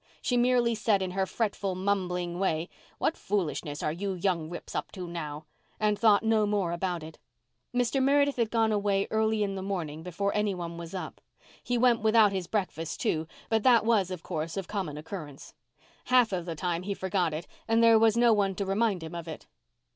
She merely said in her fretful mumbling way, "What foolishness are you young rips up to now?" and thought no more about it. Mr. Meredith had gone away early in the morning before any one was up. He went without his breakfast, too, but that was, of course, of common occurrence. Half of the time he forgot it and there was no one to remind him of it.